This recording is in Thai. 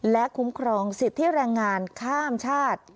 และคุ้มครองสิทธิแรงงานข้ามชาติ